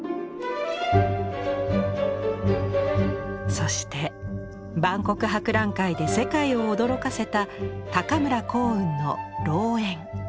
そして万国博覧会で世界を驚かせた高村光雲の「老猿」。